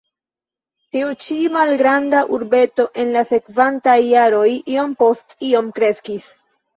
Tiu ĉi malgranda urbeto en la sekvantaj jaroj iom post iom kreskis.